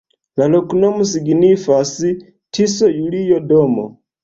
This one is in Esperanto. La loknomo signifas: Tiso-Julio-domo.